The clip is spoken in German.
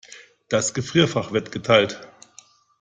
Das Gefrierfach wird geteilt.